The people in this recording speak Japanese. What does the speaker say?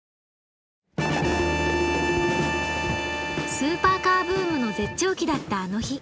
スーパーカーブームの絶頂期だった「あの日」